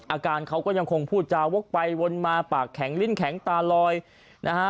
อาการเขาก็ยังคงพูดจาวกไปวนมาปากแข็งลิ้นแข็งตาลอยนะฮะ